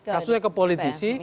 kasusnya ke politisi